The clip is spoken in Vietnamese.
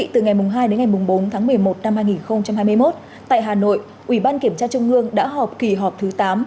từ ngày hai đến ngày bốn tháng một mươi một năm hai nghìn hai mươi một tại hà nội ủy ban kiểm tra trung ương đã họp kỳ họp thứ tám